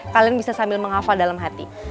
kalian bisa sambil menghafal dalam hati